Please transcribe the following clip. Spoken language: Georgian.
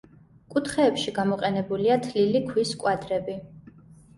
კუთხეებში გამოყენებულია თლილი ქვის კვადრები.